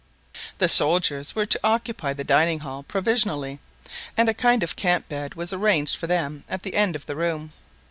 The soldiers were to occupy the dining hall provisionally, and a kind of camp bed was arranged for them at the end of the room.